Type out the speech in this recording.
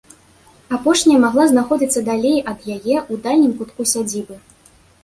Апошняя магла знаходзіцца далей ад яе ў дальнім кутку сядзібы.